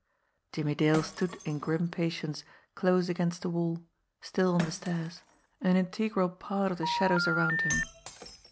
Jimmie Dale stood in grim patience, close against the wall, still on the stairs, an integral part of the shadows around him.